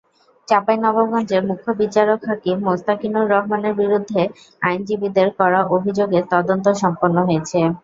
চাঁপাইনবাবগঞ্জের মুখ্য বিচারিক হাকিম মোস্তাকিনুর রহমানের বিরুদ্ধে আইনজীবীদের করা অভিযোগের তদন্ত সম্পন্ন হয়েছে।